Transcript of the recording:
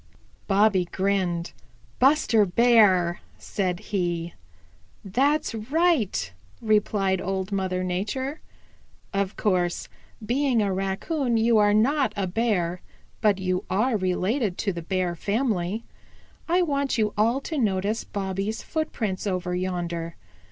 Bobby grinned. "Buster Bear," said he. "That's right," replied Old Mother Nature. "Of course, being a Raccoon, you are not a Bear, but you are related to the Bear family. I want you all to notice Bobby's footprints over yonder.